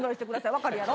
わかるやろ？